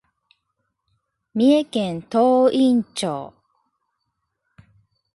三重県東員町